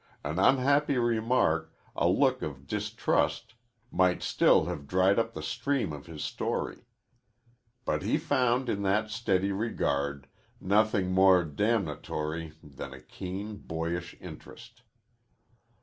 An unhappy remark, a look of distrust, might still have dried up the stream of his story. But he found in that steady regard nothing more damnatory than a keen, boyish interest.